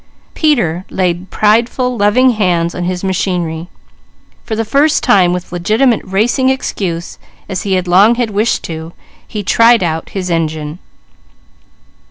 Peter laid prideful, loving hands on his machinery; for the first time with legitimate racing excuse, as he long had wished to, he tried out his engine.